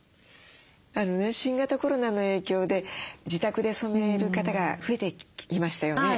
新型コロナの影響で自宅で染める方が増えてきましたよね。